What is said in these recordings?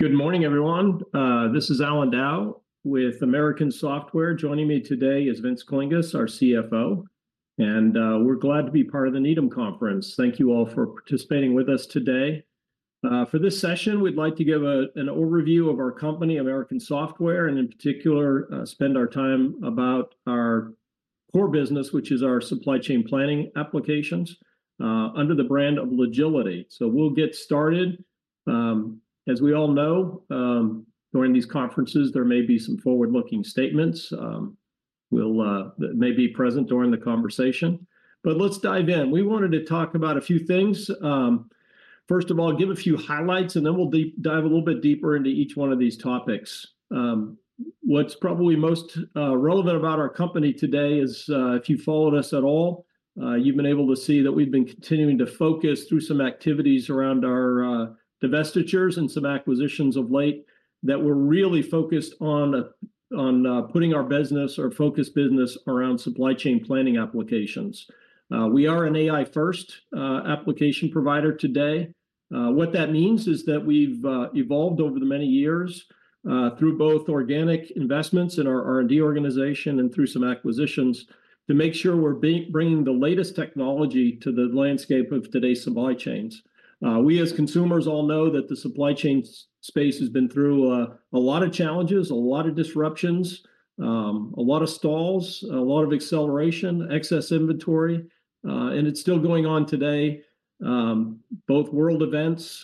Good morning, everyone. This is Allan Dow with American Software. Joining me today is Vincent Klinges, our CFO, and we're glad to be part of the Needham Conference. Thank you all for participating with us today. For this session, we'd like to give an overview of our company, American Software, and in particular, spend our time about our core business, which is our supply chain planning applications under the brand of Logility. So we'll get started. As we all know, during these conferences, there may be some forward-looking statements that may be present during the conversation. But let's dive in. We wanted to talk about a few things. First of all, give a few highlights, and then we'll deep dive a little bit deeper into each one of these topics. What's probably most relevant about our company today is, if you've followed us at all, you've been able to see that we've been continuing to focus through some activities around our divestitures and some acquisitions of late, that we're really focused on putting our business, our focus business, around supply chain planning applications. We are an AI-first application provider today. What that means is that we've evolved over the many years through both organic investments in our R&D organization and through some acquisitions, to make sure we're bringing the latest technology to the landscape of today's supply chains. We, as consumers, all know that the supply chain space has been through a lot of challenges, a lot of disruptions, a lot of stalls, a lot of acceleration, excess inventory, and it's still going on today. Both world events,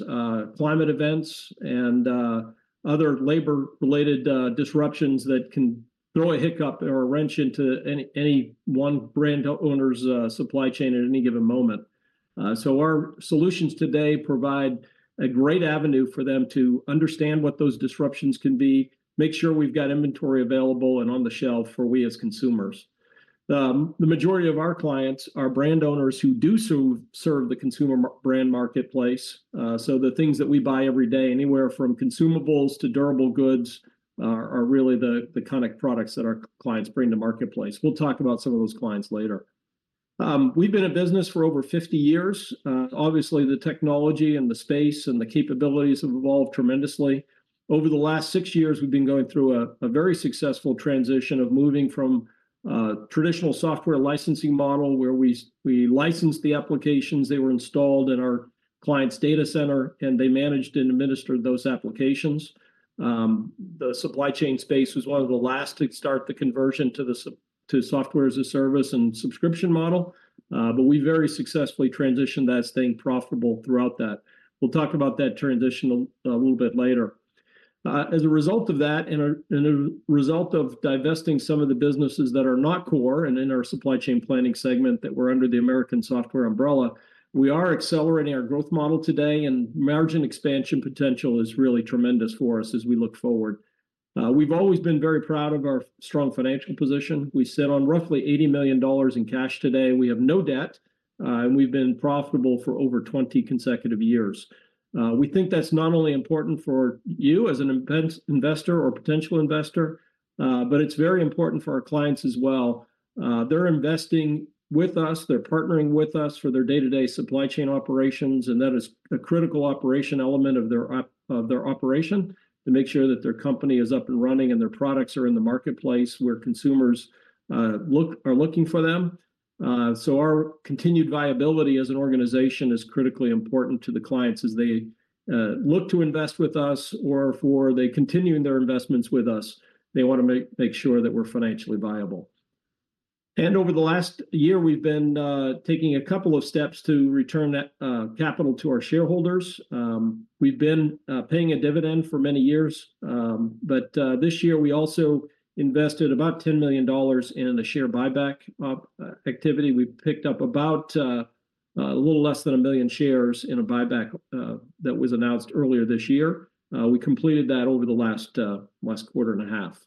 climate events, and other labor-related disruptions that can throw a hiccup or a wrench into any one brand owner's supply chain at any given moment. So our solutions today provide a great avenue for them to understand what those disruptions can be, make sure we've got inventory available and on the shelf for we as consumers. The majority of our clients are brand owners who do serve the consumer brand marketplace. So the things that we buy every day, anywhere from consumables to durable goods, are really the kind of products that our clients bring to marketplace. We'll talk about some of those clients later. We've been in business for over 50 years. Obviously, the technology and the space and the capabilities have evolved tremendously. Over the last six years, we've been going through a very successful transition of moving from a traditional software licensing model, where we licensed the applications, they were installed in our client's data center, and they managed and administered those applications. The supply chain space was one of the last to start the conversion to software as a service and subscription model, but we very successfully transitioned that, staying profitable throughout that. We'll talk about that transition a little bit later. As a result of that, and a result of divesting some of the businesses that are not core and in our supply chain planning segment that were under the American Software umbrella, we are accelerating our growth model today, and margin expansion potential is really tremendous for us as we look forward. We've always been very proud of our strong financial position. We sit on roughly $80 million in cash today. We have no debt, and we've been profitable for over 20 consecutive years. We think that's not only important for you as an investor or potential investor, but it's very important for our clients as well. They're investing with us, they're partnering with us for their day-to-day supply chain operations, and that is a critical operation element of their operation, to make sure that their company is up and running, and their products are in the marketplace where consumers are looking for them. So our continued viability as an organization is critically important to the clients as they look to invest with us, or for they continuing their investments with us. They wanna make sure that we're financially viable. And over the last year, we've been taking a couple of steps to return that capital to our shareholders. We've been paying a dividend for many years, but this year we also invested about $10 million in the share buyback activity. We picked up about a little less than 1 million shares in a buyback that was announced earlier this year. We completed that over the last quarter and a half.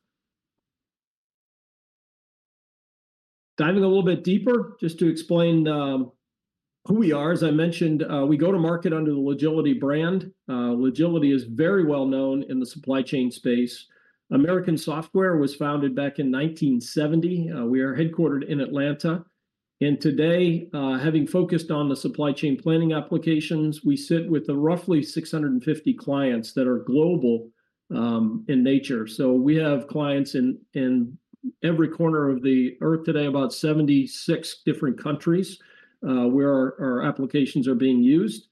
Diving a little bit deeper, just to explain who we are. As I mentioned, we go to market under the Logility brand. Logility is very well known in the supply chain space. American Software was founded back in 1970. We are headquartered in Atlanta. Today, having focused on the supply chain planning applications, we sit with roughly 650 clients that are global in nature. So we have clients in every corner of the earth today, about 76 different countries where our applications are being used.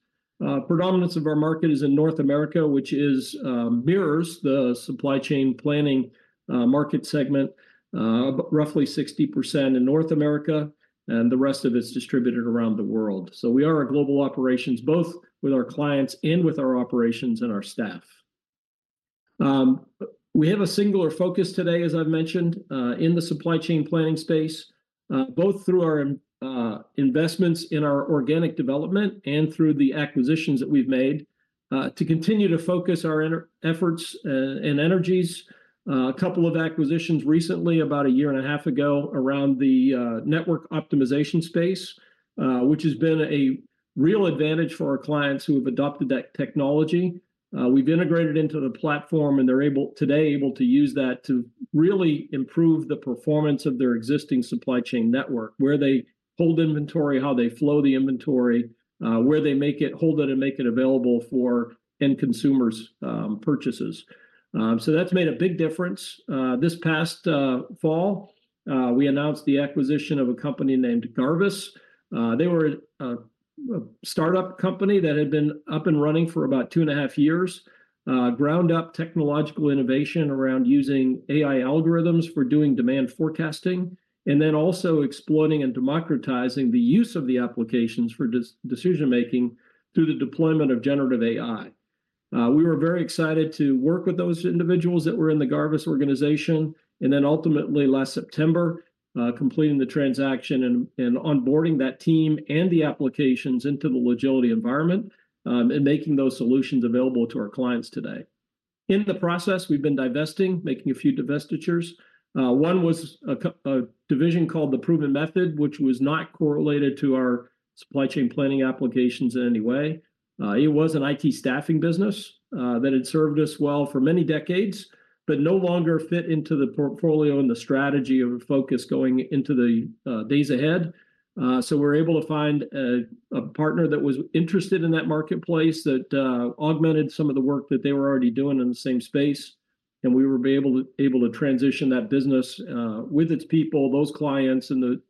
Predominance of our market is in North America, which mirrors the supply chain planning market segment, roughly 60% in North America, and the rest of it is distributed around the world. So we are a global operations, both with our clients and with our operations and our staff. We have a singular focus today, as I've mentioned, in the supply chain planning space, both through our investments in our organic development and through the acquisitions that we've made, to continue to focus our efforts and energies. A couple of acquisitions recently, about a year and a half ago, around the network optimization space, which has been a real advantage for our clients who have adopted that technology. We've integrated into the platform, and they're able today to use that to really improve the performance of their existing supply chain network, where they hold inventory, how they flow the inventory, where they make it, hold it, and make it available for end consumers' purchases. So that's made a big difference. This past fall, we announced the acquisition of a company named Garvis. They were a startup company that had been up and running for about 2.5 years, ground-up technological innovation around using AI algorithms for doing demand forecasting, and then also exploring and democratizing the use of the applications for decision-making through the deployment of generative AI. We were very excited to work with those individuals that were in the Garvis organization, and then ultimately, last September, completing the transaction and onboarding that team and the applications into the Logility environment, and making those solutions available to our clients today. In the process, we've been divesting, making a few divestitures. One was a division called The Proven Method, which was not correlated to our supply chain planning applications in any way. It was an IT staffing business that had served us well for many decades, but no longer fit into the portfolio and the strategy of focus going into the days ahead. So we were able to find a partner that was interested in that marketplace that augmented some of the work that they were already doing in the same space, and we were able to transition that business with its people, those clients, and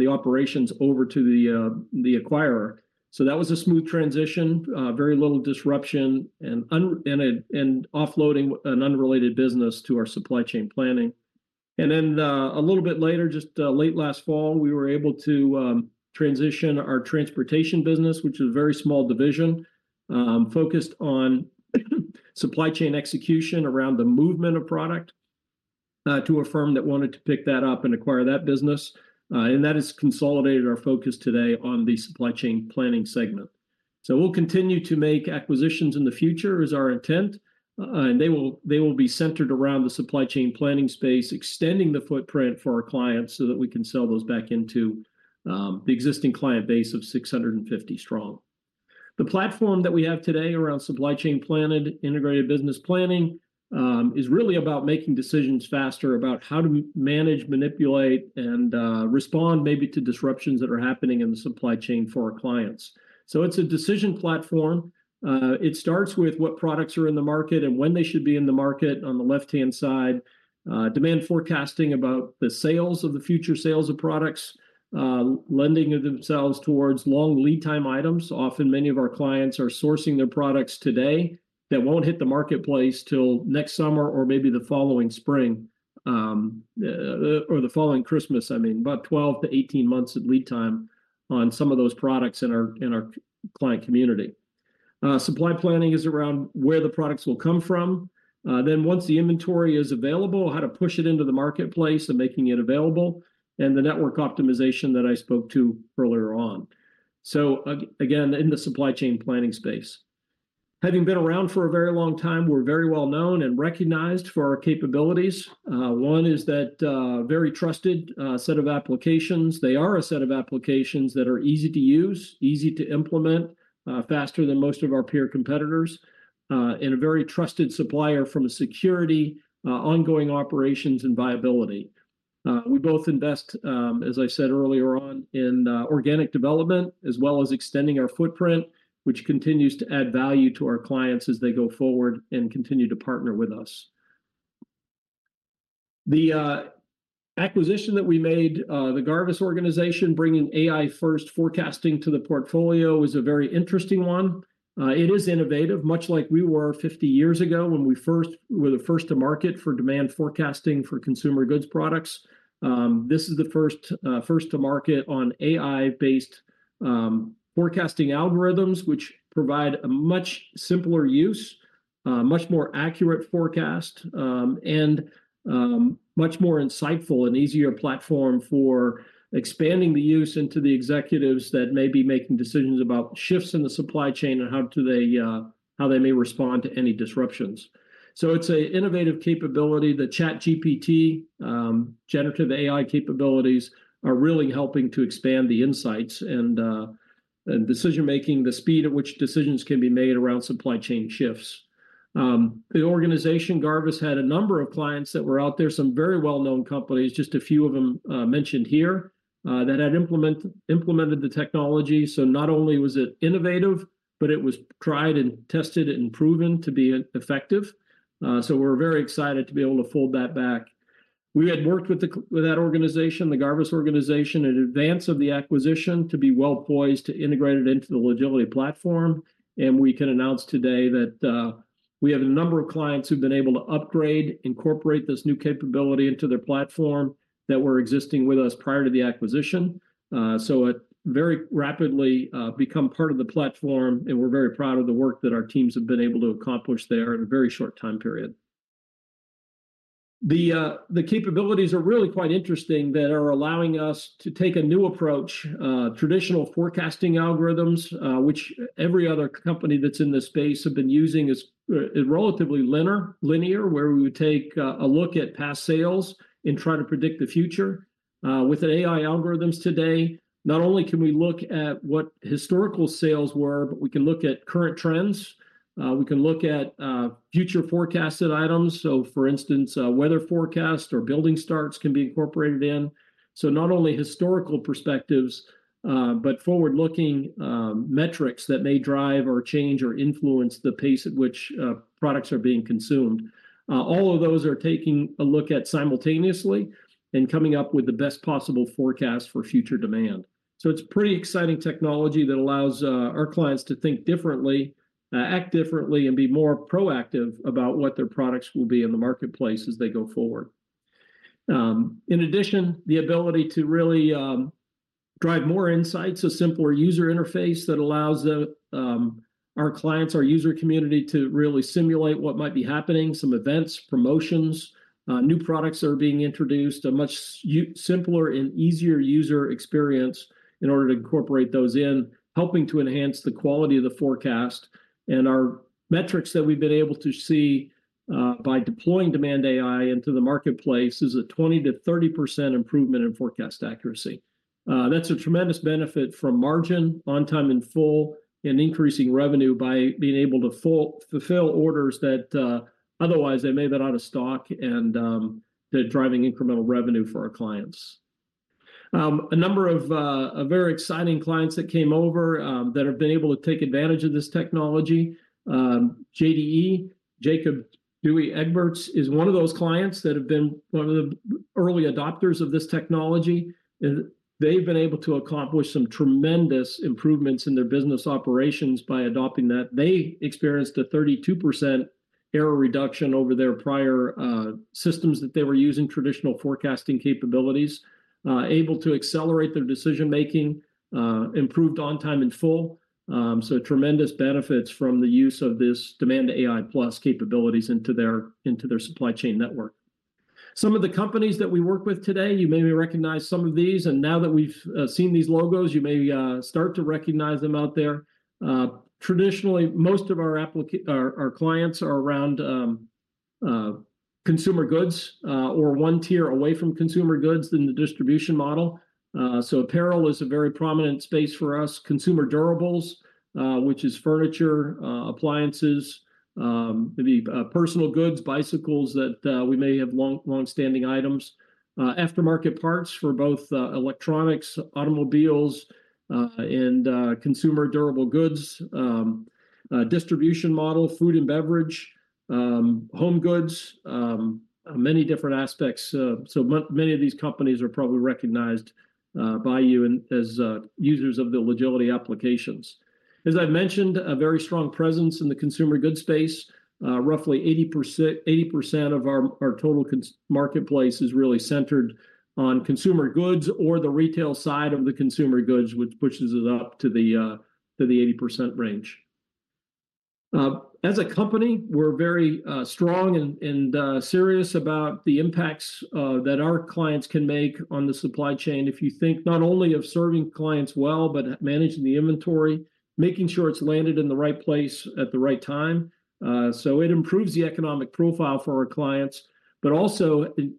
the operations over to the acquirer. So that was a smooth transition, very little disruption, and offloading an unrelated business to our supply chain planning. And then a little bit later, just late last fall, we were able to transition our transportation business, which is a very small division, focused on supply chain execution around the movement of product, to a firm that wanted to pick that up and acquire that business. And that has consolidated our focus today on the supply chain planning segment. So we'll continue to make acquisitions in the future, is our intent, and they will be centered around the Supply Chain Planning space, extending the footprint for our clients, so that we can sell those back into the existing client base of 650 strong. The platform that we have today around Supply Chain Planning, Integrated Business Planning, is really about making decisions faster, about how do we manage, manipulate, and respond maybe to disruptions that are happening in the supply chain for our clients. So it's a decision platform. It starts with what products are in the market and when they should be in the market. On the left-hand side, Demand Forecasting about the sales of the future sales of products, lending themselves towards long lead time items. Often, many of our clients are sourcing their products today that won't hit the marketplace till next summer or maybe the following spring, or the following Christmas. I mean, about 12-18 months of lead time on some of those products in our client community. Supply planning is around where the products will come from. Then once the inventory is available, how to push it into the marketplace and making it available, and the network optimization that I spoke to earlier on. So again, in the supply chain planning space. Having been around for a very long time, we're very well known and recognized for our capabilities. One is that very trusted set of applications. They are a set of applications that are easy to use, easy to implement, faster than most of our peer competitors, and a very trusted supplier from a security, ongoing operations, and viability. We both invest, as I said earlier on, in, organic development, as well as extending our footprint, which continues to add value to our clients as they go forward and continue to partner with us. The, acquisition that we made, the Garvis organization, bringing AI first forecasting to the portfolio, is a very interesting one. It is innovative, much like we were 50 years ago when we first- we were the first to market for demand forecasting for consumer goods products. This is the first to market on AI-based forecasting algorithms, which provide a much simpler use, much more accurate forecast, and much more insightful and easier platform for expanding the use into the executives that may be making decisions about shifts in the supply chain and how they may respond to any disruptions. So it's a innovative capability. The ChatGPT generative AI capabilities are really helping to expand the insights and decision-making, the speed at which decisions can be made around supply chain shifts. The organization, Garvis, had a number of clients that were out there, some very well-known companies, just a few of them mentioned here that had implemented the technology. So not only was it innovative, but it was tried and tested and proven to be effective, so we're very excited to be able to fold that back. We had worked with that organization, the Garvis organization, in advance of the acquisition, to be well poised to integrate it into the Logility platform. And we can announce today that we have a number of clients who've been able to upgrade, incorporate this new capability into their platform that were existing with us prior to the acquisition. So it very rapidly become part of the platform, and we're very proud of the work that our teams have been able to accomplish there in a very short time period. The capabilities are really quite interesting that are allowing us to take a new approach. Traditional forecasting algorithms, which every other company that's in this space have been using, is relatively linear, where we would take a look at past sales and try to predict the future. With the AI algorithms today, not only can we look at what historical sales were, but we can look at current trends, we can look at future forecasted items. So for instance, weather forecast or building starts can be incorporated in, so not only historical perspectives, but forward-looking metrics that may drive or change or influence the pace at which products are being consumed. All of those are taking a look at simultaneously and coming up with the best possible forecast for future demand. So it's pretty exciting technology that allows our clients to think differently, act differently, and be more proactive about what their products will be in the marketplace as they go forward. In addition, the ability to really drive more insights, a simpler user interface that allows our clients, our user community, to really simulate what might be happening, some events, promotions, new products that are being introduced, a much simpler and easier user experience in order to incorporate those in, helping to enhance the quality of the forecast. And our metrics that we've been able to see by deploying DemandAI into the marketplace is a 20%-30% improvement in forecast accuracy. That's a tremendous benefit from margin, on time in full, and increasing revenue by being able to fulfill orders that, otherwise they may have been out of stock, and they're driving incremental revenue for our clients. A number of a very exciting clients that came over that have been able to take advantage of this technology, JDE, Jacobs Douwe Egberts, is one of those clients that have been one of the early adopters of this technology, and they've been able to accomplish some tremendous improvements in their business operations by adopting that. They experienced a 32% error reduction over their prior systems that they were using, traditional forecasting capabilities. Able to accelerate their decision-making, improved on time in full, so tremendous benefits from the use of this DemandAI+ capabilities into their supply chain network. Some of the companies that we work with today, you may recognize some of these, and now that we've seen these logos, you may start to recognize them out there. Traditionally, most of our clients are around consumer goods or one tier away from consumer goods in the distribution model. So apparel is a very prominent space for us. Consumer durables, which is furniture, appliances, maybe personal goods, bicycles, that we may have longstanding items. Aftermarket parts for both electronics, automobiles, and consumer durable goods. Distribution model, food and beverage, home goods, many different aspects. Many of these companies are probably recognized by you and as users of the Logility applications. As I mentioned, a very strong presence in the consumer goods space. Roughly 80%, 80% of our total consumer marketplace is really centered on consumer goods or the retail side of the consumer goods, which pushes it up to the 80% range. As a company, we're very strong and serious about the impacts that our clients can make on the supply chain. If you think not only of serving clients well, but managing the inventory, making sure it's landed in the right place at the right time. So it improves the economic profile for our clients, but also it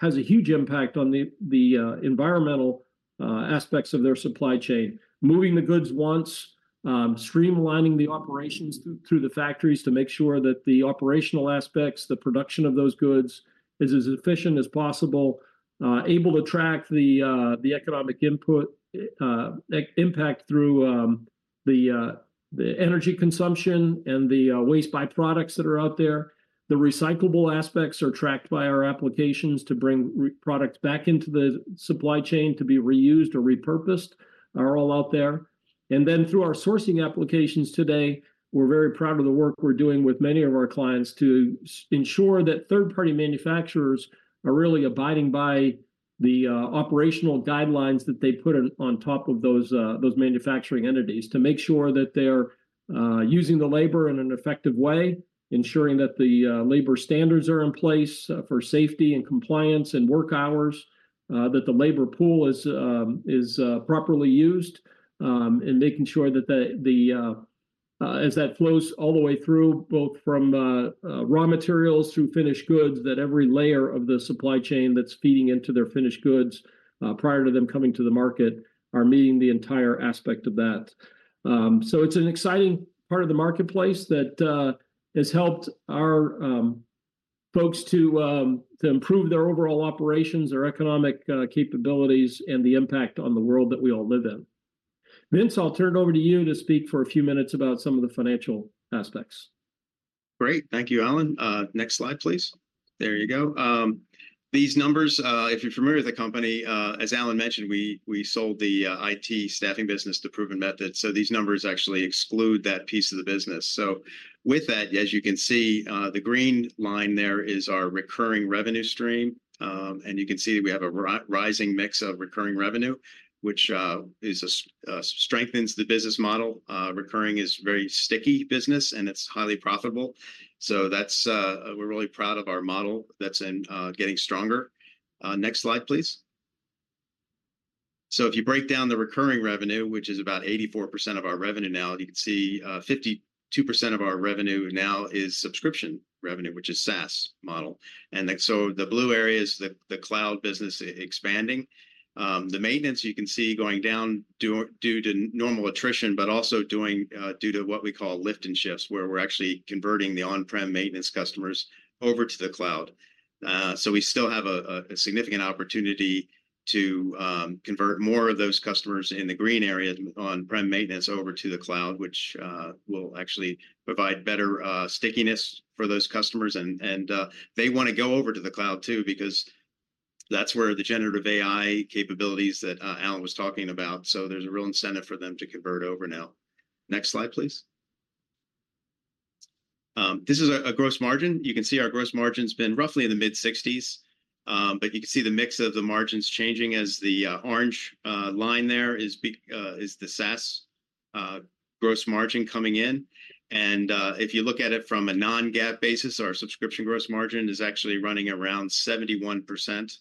has a huge impact on the environmental aspects of their supply chain. Moving the goods once, streamlining the operations through the factories to make sure that the operational aspects, the production of those goods, is as efficient as possible, able to track the economic input, impact through the energy consumption and the waste byproducts that are out there. The recyclable aspects are tracked by our applications to bring products back into the supply chain to be reused or repurposed, are all out there. And then through our sourcing applications today, we're very proud of the work we're doing with many of our clients to ensure that third-party manufacturers are really abiding by the operational guidelines that they put on top of those manufacturing entities, to make sure that they are using the labor in an effective way, ensuring that the labor standards are in place for safety and compliance and work hours, that the labor pool is properly used, and making sure that as that flows all the way through, both from raw materials through finished goods, that every layer of the supply chain that's feeding into their finished goods prior to them coming to the market are meeting the entire aspect of that. So it's an exciting part of the marketplace that has helped our folks to improve their overall operations, their economic capabilities, and the impact on the world that we all live in. Vince, I'll turn it over to you to speak for a few minutes about some of the financial aspects. Great. Thank you, Allan. Next slide, please. There you go. These numbers, if you're familiar with the company, as Allan mentioned, we sold the IT staffing business to The Proven Method, so these numbers actually exclude that piece of the business. So with that, as you can see, the green line there is our recurring revenue stream, and you can see we have a rising mix of recurring revenue, which strengthens the business model. Recurring is very sticky business, and it's highly profitable. So that's, we're really proud of our model that's getting stronger. Next slide, please. So if you break down the recurring revenue, which is about 84% of our revenue now, you can see, 52% of our revenue now is subscription revenue, which is SaaS model. And then, so the blue area is the cloud business expanding. The maintenance, you can see going down due to normal attrition, but also due to what we call lift and shift, where we're actually converting the on-prem maintenance customers over to the cloud. So we still have a significant opportunity to convert more of those customers in the green area on-prem maintenance over to the cloud, which will actually provide better stickiness for those customers. And they wanna go over to the cloud too, because that's where the Generative AI capabilities that Allan was talking about. So there's a real incentive for them to convert over now. Next slide, please. This is a gross margin. You can see our gross margin's been roughly in the mid-60s%, but you can see the mix of the margins changing as the orange line there is the SaaS gross margin coming in. If you look at it from a non-GAAP basis, our subscription gross margin is actually running around 71%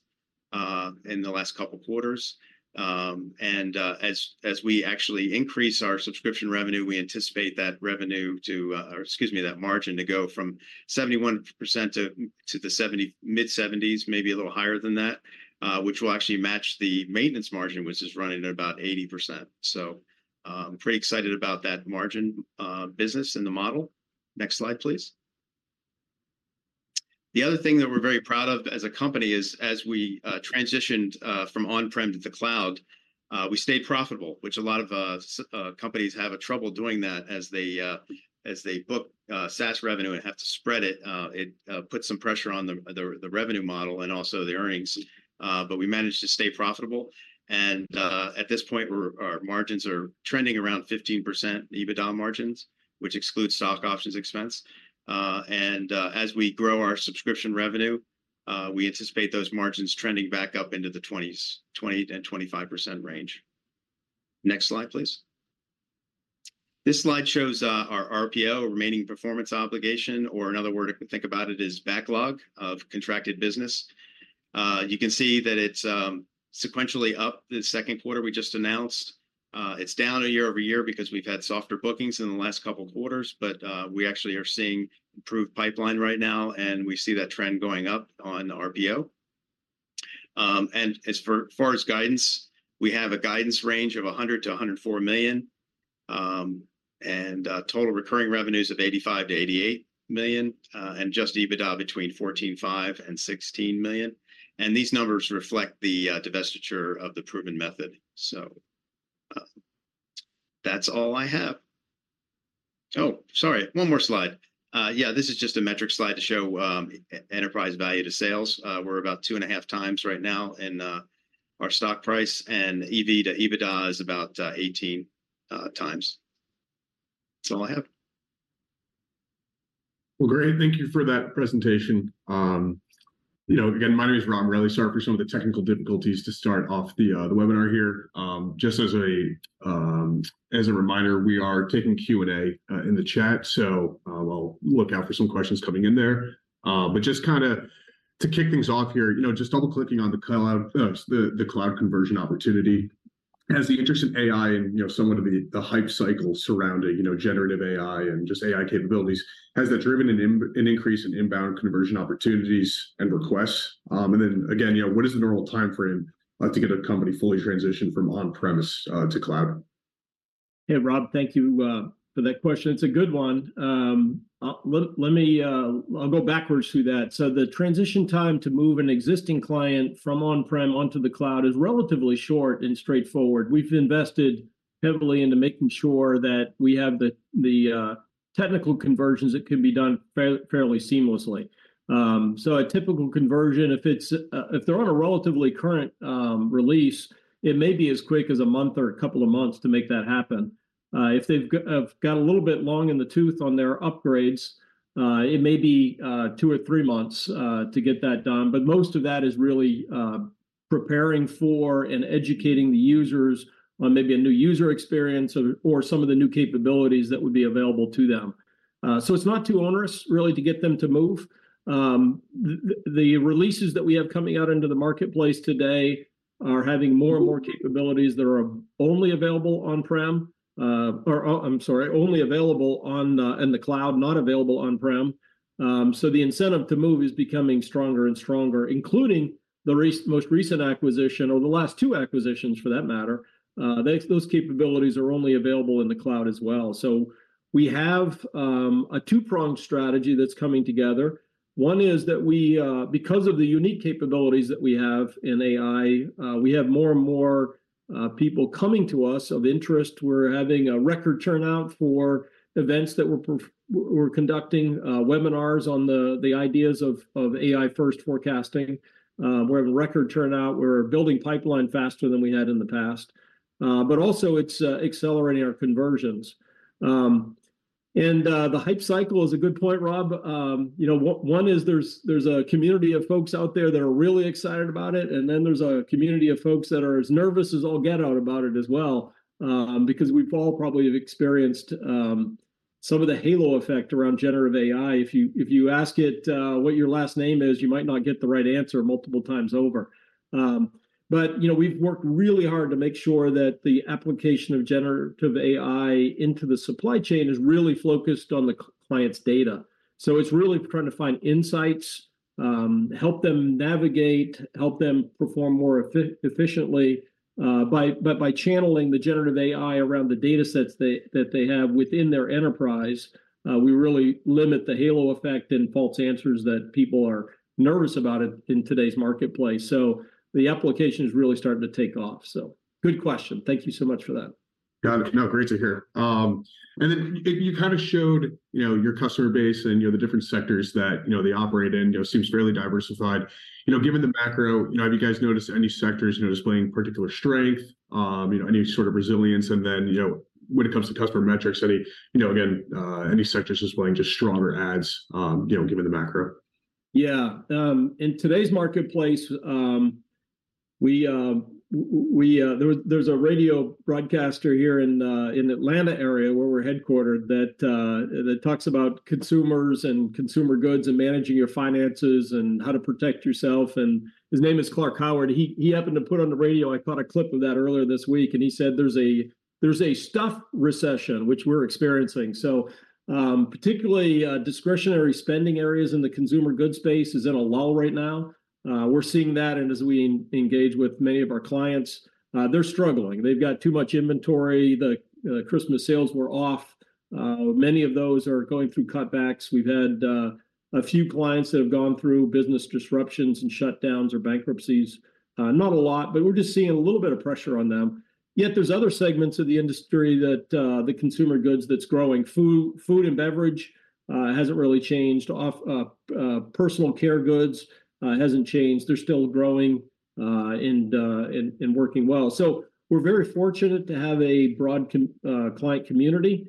in the last couple quarters. As we actually increase our subscription revenue, we anticipate that revenue to or excuse me, that margin to go from 71% to the mid-70s%, maybe a little higher than that, which will actually match the maintenance margin, which is running at about 80%. Pretty excited about that margin business in the model. Next slide, please. The other thing that we're very proud of as a company is, as we transitioned from on-prem to the cloud, we stayed profitable, which a lot of companies have trouble doing that as they book SaaS revenue and have to spread it. It puts some pressure on the revenue model and also the earnings, but we managed to stay profitable. At this point, our margins are trending around 15% EBITDA margins, which excludes stock options expense. As we grow our subscription revenue, we anticipate those margins trending back up into the 20s, 20%-25% range. Next slide, please. This slide shows our RPO, Remaining Performance Obligation, or another word to think about it is backlog of contracted business. You can see that it's sequentially up the second quarter we just announced. It's down year-over-year because we've had softer bookings in the last couple quarters, but we actually are seeing improved pipeline right now, and we see that trend going up on RPO. And as far as guidance, we have a guidance range of $100-$104 million, and total recurring revenues of $85-$88 million, and just EBITDA between $14.5-$16 million. And these numbers reflect the divestiture of The Proven Method. So that's all I have. Oh, sorry, one more slide. Yeah, this is just a metric slide to show enterprise value to sales. We're about 2.5 times right now in our stock price, and EV to EBITDA is about 18 times. That's all I have. Well, great. Thank you for that presentation. You know, again, my name is Rob. Really sorry for some of the technical difficulties to start off the the webinar here. Just as a reminder, we are taking Q&A in the chat, so I'll look out for some questions coming in there. But just kinda to kick things off here, you know, just double-clicking on the cloud the cloud conversion opportunity. As the interest in AI and, you know, some of the the hype cycle surrounding, you know, generative AI and just AI capabilities, has that driven an increase in inbound conversion opportunities and requests? And then again, you know, what is the normal timeframe to get a company fully transitioned from on-premise to cloud? Hey, Rob, thank you for that question. It's a good one. Let me, I'll go backwards through that. So the transition time to move an existing client from on-prem onto the cloud is relatively short and straightforward. We've invested heavily into making sure that we have the technical conversions that can be done fairly seamlessly. So a typical conversion, if it's, if they're on a relatively current release, it may be as quick as a month or a couple of months to make that happen. If they've got a little bit long in the tooth on their upgrades, it may be two or three months to get that done. But most of that is really preparing for and educating the users on maybe a new user experience or some of the new capabilities that would be available to them. So it's not too onerous, really, to get them to move. The releases that we have coming out into the marketplace today are having more and more capabilities that are only available on-prem, or only available in the cloud, not available on-prem. So the incentive to move is becoming stronger and stronger, including the most recent acquisition, or the last two acquisitions, for that matter. Those capabilities are only available in the cloud as well. So we have a two-pronged strategy that's coming together. One is that we, because of the unique capabilities that we have in AI, we have more and more people coming to us of interest. We're having a record turnout for events that we're conducting, webinars on the ideas of AI-first forecasting. We're having record turnout. We're building pipeline faster than we had in the past. But also, it's accelerating our conversions. The hype cycle is a good point, Rob. You know, one is there's a community of folks out there that are really excited about it, and then there's a community of folks that are as nervous as all get-out about it as well. Because we've all probably have experienced, some of the halo effect around generative AI. If you ask it what your last name is, you might not get the right answer multiple times over. But, you know, we've worked really hard to make sure that the application of generative AI into the supply chain is really focused on the clients' data. So it's really trying to find insights, help them navigate, help them perform more efficiently. But by channeling the generative AI around the datasets that they have within their enterprise, we really limit the halo effect and false answers that people are nervous about it in today's marketplace. So the application is really starting to take off. So good question. Thank you so much for that. Got it. No, great to hear. And then you kind of showed, you know, your customer base and, you know, the different sectors that, you know, they operate in. You know, seems fairly diversified. You know, given the macro, you know, have you guys noticed any sectors, you know, displaying particular strength? You know, any sort of resilience? And then, you know, when it comes to customer metrics, any, you know, again, any sectors displaying just stronger ads, you know, given the macro? Yeah. In today's marketplace, we... There's a radio broadcaster here in the Atlanta area, where we're headquartered, that talks about consumers and consumer goods, and managing your finances, and how to protect yourself, and his name is Clark Howard. He happened to put on the radio, I caught a clip of that earlier this week, and he said, "There's a stuff recession," which we're experiencing. So, particularly, discretionary spending areas in the consumer goods space is in a lull right now. We're seeing that, and as we engage with many of our clients, they're struggling. They've got too much inventory. The Christmas sales were off. Many of those are going through cutbacks. We've had a few clients that have gone through business disruptions and shutdowns or bankruptcies. Not a lot, but we're just seeing a little bit of pressure on them. Yet there's other segments of the industry that, the consumer goods, that's growing. Food, food and beverage, hasn't really changed, personal care goods, hasn't changed. They're still growing, and working well. So we're very fortunate to have a broad client community.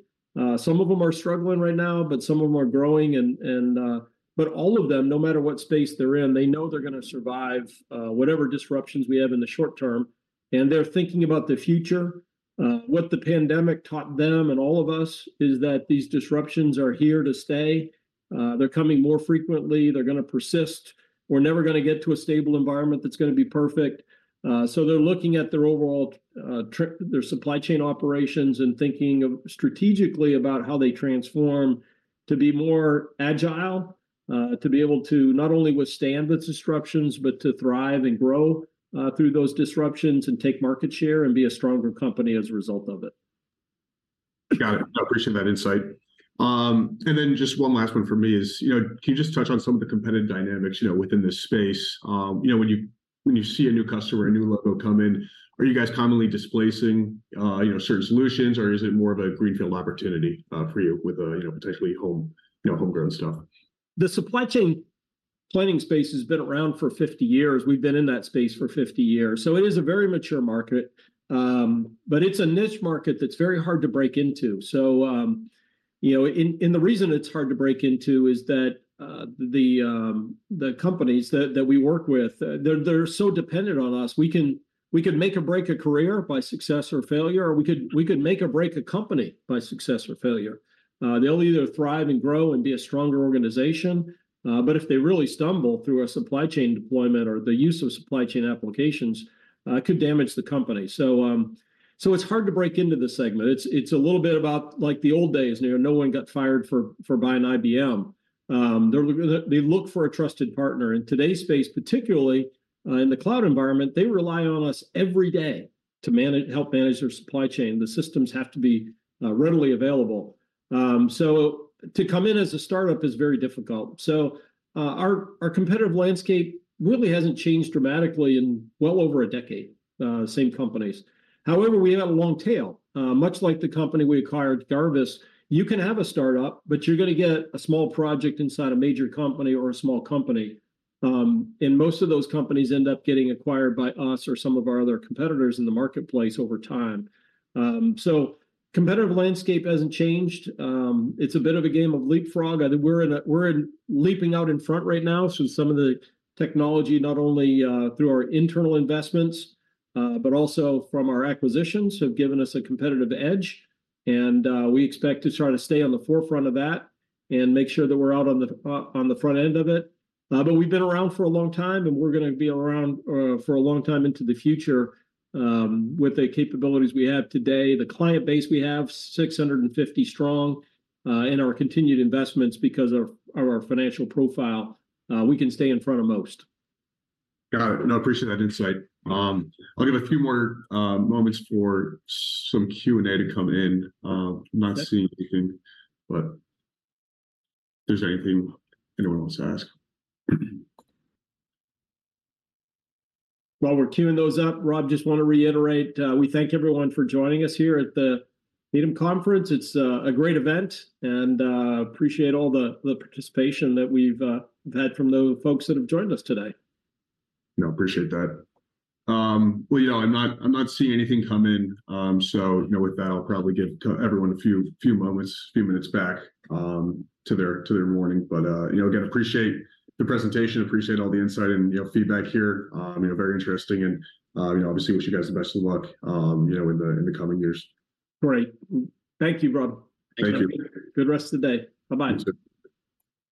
Some of them are struggling right now, but some of them are growing and... But all of them, no matter what space they're in, they know they're gonna survive, whatever disruptions we have in the short term, and they're thinking about the future. What the pandemic taught them, and all of us, is that these disruptions are here to stay. They're coming more frequently. They're gonna persist. We're never gonna get to a stable environment that's gonna be perfect. So they're looking at their overall, their supply chain operations and thinking of, strategically about how they transform to be more agile. To be able to not only withstand those disruptions, but to thrive and grow, through those disruptions, and take market share, and be a stronger company as a result of it. Got it. I appreciate that insight. Then just one last one from me is, you know, can you just touch on some of the competitive dynamics, you know, within this space? You know, when you see a new customer, a new logo come in, are you guys commonly displacing, you know, certain solutions, or is it more of a greenfield opportunity for you with, you know, potentially homegrown stuff? The supply chain planning space has been around for 50 years. We've been in that space for 50 years. So it is a very mature market, but it's a niche market that's very hard to break into. So, you know, and, and the reason it's hard to break into is that, the companies that, that we work with, they're, they're so dependent on us. We can make or break a career by success or failure, or we could make or break a company by success or failure. They'll either thrive and grow, and be a stronger organization, but if they really stumble through a supply chain deployment or the use of supply chain applications, it could damage the company. So, so it's hard to break into the segment. It's a little bit about like the old days, you know, no one got fired for buying IBM. They're they look for a trusted partner. In today's space, particularly, in the cloud environment, they rely on us every day to help manage their supply chain. The systems have to be readily available. So to come in as a startup is very difficult. So, our competitive landscape really hasn't changed dramatically in well over a decade. Same companies. However, we have a long tail. Much like the company we acquired, Garvis, you can have a startup, but you're gonna get a small project inside a major company or a small company. And most of those companies end up getting acquired by us or some of our other competitors in the marketplace over time. So competitive landscape hasn't changed. It's a bit of a game of leapfrog. I think we're leaping out in front right now through some of the technology, not only through our internal investments, but also from our acquisitions have given us a competitive edge. And we expect to try to stay on the forefront of that and make sure that we're out on the front end of it. But we've been around for a long time, and we're gonna be around for a long time into the future, with the capabilities we have today. The client base we have, 650 strong, and our continued investments, because of our financial profile, we can stay in front of most. Got it. No, appreciate that insight. I'll give a few more moments for some Q&A to come in. I'm not seeing anything- Okay... but if there's anything anyone wants to ask. While we're queuing those up, Rob, just want to reiterate, we thank everyone for joining us here at the Needham Conference. It's a great event, and appreciate all the participation that we've had from the folks that have joined us today. No, appreciate that. Well, you know, I'm not, I'm not seeing anything come in, so, you know, with that, I'll probably give everyone a few moments, a few minutes back to their morning. But, you know, again, appreciate the presentation, appreciate all the insight and, you know, feedback here. You know, very interesting and, you know, obviously wish you guys the best of luck, you know, in the coming years. Great. Thank you, Rob. Thank you. Good rest of the day. Bye-bye. You too.